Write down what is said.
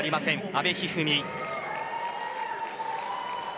阿部一二三。